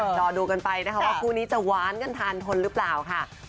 รอดูกันไปนะคะว่าคู่นี้จะหวานกันทานทนหรือเปล่าค่ะ